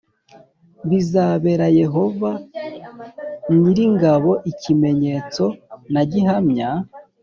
Bizabera Yehova nyir’ingabo ikimenyetso na gihamya